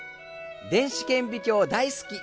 電子顕微鏡大好き。